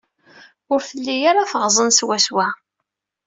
Ur telli ara teɣẓen swaswa.